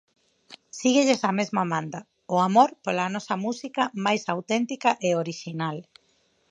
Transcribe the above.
Síguelles a mesma manda: O amor pola nosa música máis auténtica e orixinal.